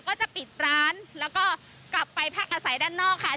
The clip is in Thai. ก็จะปิดร้านแล้วก็กลับไปพักอาศัยด้านนอกค่ะ